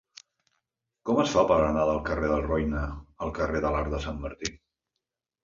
Com es fa per anar del carrer del Roine al carrer de l'Arc de Sant Martí?